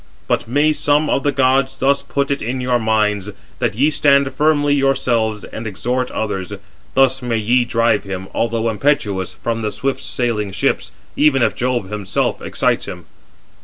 But may some of the gods thus put it in your minds, that ye stand firmly yourselves, and exhort others; thus may ye drive him, although impetuous, from the swift sailing ships, even if Jove himself excites him."